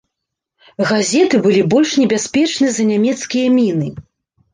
Газеты былі больш небяспечны за нямецкія міны.